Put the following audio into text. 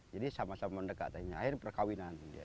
jadi sama sama mendekatnya akhirnya perkawinan